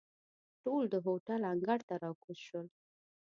ټول د هوټل انګړ ته را کوز شول.